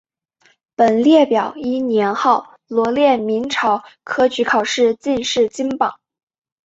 本列表依年号罗列明朝科举考试进士金榜。